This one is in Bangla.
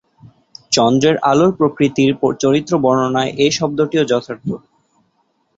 চন্দ্রের আলোর প্রকৃতির চরিত্র বর্ণনায় এ শব্দটিও যথার্থ।